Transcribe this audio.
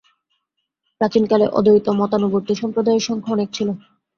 প্রাচীনকালে অদ্বৈত-মতানুবর্তী সম্প্রদায়ের সংখ্যা অনেক ছিল।